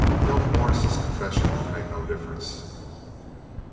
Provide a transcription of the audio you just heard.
"Don't Morris's confession make no difference?"